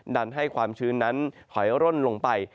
ดันให้ความชื้นนั้นถอยร่นลงไป